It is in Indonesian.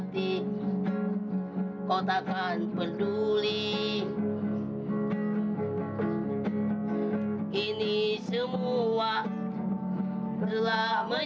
bisa tetap dipindah ke seluruh halaman